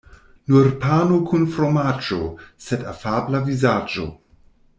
Nur pano kun fromaĝo, sed afabla vizaĝo.